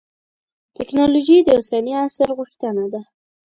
تکنالوجي د اوسني عصر غوښتنه ده.